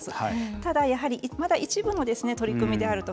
ただ、まだ一部の取り組みであると。